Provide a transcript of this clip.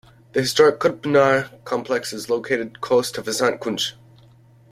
The historic Qutb Minar complex is located close to Vasant Kunj.